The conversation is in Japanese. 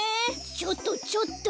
ちょっとちょっと。